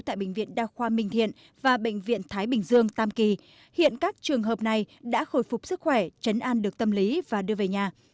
tại bệnh viện đa khoa minh thiện và bệnh viện thái bình dương tam kỳ hiện các trường hợp này đã khôi phục sức khỏe chấn an được tâm lý và đưa về nhà